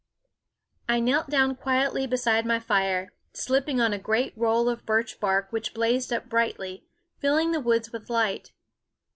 I knelt down quietly beside my fire, slip ping on a great roll of birch bark, which blazed up brightly, filling the woods with light.